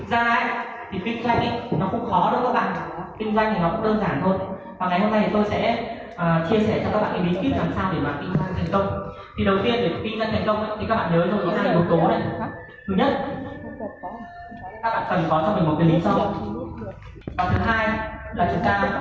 giá thì kinh doanh nó cũng khó đúng không các bạn